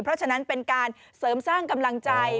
เพราะฉะนั้นเป็นการเสริมสร้างกำลังใจ